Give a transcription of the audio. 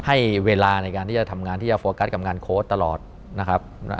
ให้เวลาในการที่จะทำงานที่จะโฟกัสกับงานโค้ดตลอดนะครับ